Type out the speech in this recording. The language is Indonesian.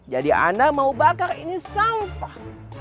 jadi anda mau bakar ini sampah